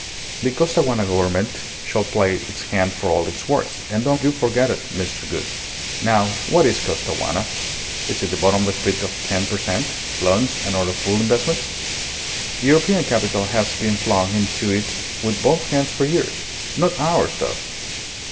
"The Costaguana Government shall play its hand for all it's worth and don't you forget it, Mr. Gould. Now, what is Costaguana? It is the bottomless pit of 10 per cent. loans and other fool investments. European capital has been flung into it with both hands for years. Not ours, though.